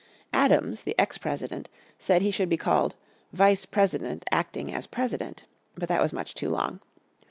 Adams, the ex President, said he should be called "Vice President acting as President." But that was much too long.